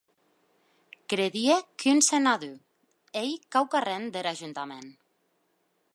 Credie qu’un senador ei quauquarren der Ajuntament.